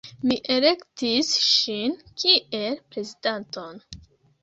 Mi elektis ŝin kiel prezidanton.